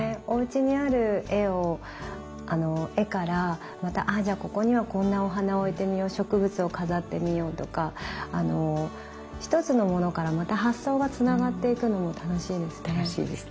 おうちにある絵を絵からまたじゃあここにはこんなお花を置いてみよう植物を飾ってみようとか一つのものからまた発想がつながっていくのも楽しいですね。